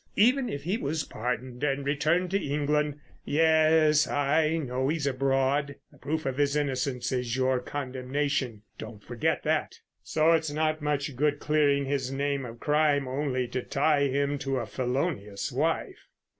Even if he was pardoned and returned to England—yes, I know he's abroad—the proof of his innocence is your condemnation, don't forget that! So it's not much good clearing his name of crime only to tie him to a felonious wife.